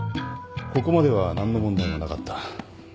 ここまでは何の問題もなかった。